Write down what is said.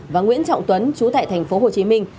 và nguyễn trọng tuấn chú tại tp hồ chí minh